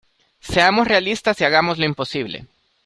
Seamos realistas y hagamos lo imposible.